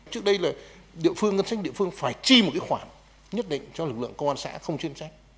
trước đây là địa phương ngân sách địa phương phải chi một cái khoản nhất định cho lực lượng công an xã không chuyên trách